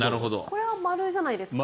これは○じゃないですか？